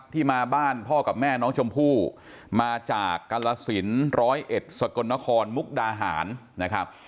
ที่มาบ้านพ่อกับแม่น้องชมพู่มาจากกรสินร้อยเอ็ดสกลนครมุกดาหารนะครับ